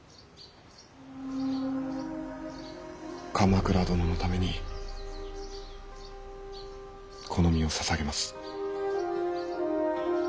鎌倉殿のためにこの身を捧げます。